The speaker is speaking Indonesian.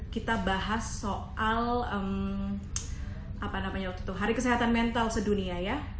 kita bahas soal apa namanya waktu itu hari kesehatan mental sedunia ya